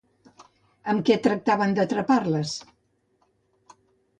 Amb què tractaven d'atrapar-les?